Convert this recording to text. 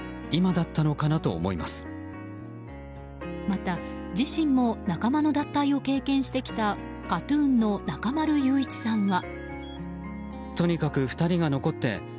また、自身も仲間の脱退を経験してきたＫＡＴ‐ＴＵＮの中丸雄一さんは。